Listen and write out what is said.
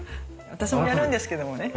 私もやるんですけどもね。